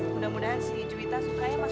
mudah mudahan si juwita sukanya masak masak